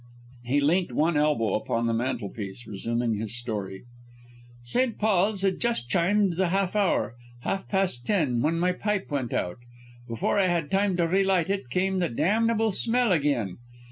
He leant one elbow upon the mantel piece, resuming his story: "St. Paul's had just chimed the half hour half past ten when my pipe went out. Before I had time to re light it, came the damnable smell again.